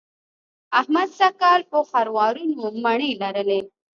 احمد سږ کال په خروارونو مڼې لرلې.